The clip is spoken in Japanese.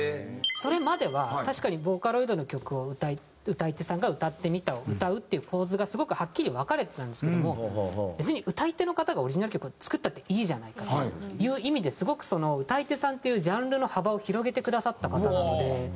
それまでは確かにボーカロイドの曲を歌い手さんが「歌ってみた」を歌うっていう構図がすごくはっきり分かれてたんですけども別に歌い手の方がオリジナル曲を作ったっていいじゃないかという意味ですごく歌い手さんっていうジャンルの幅を広げてくださった方なので。